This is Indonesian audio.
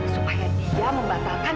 supaya dia membatalkan